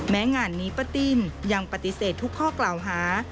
งานนี้ป้าติ้นยังปฏิเสธทุกข้อกล่าวหา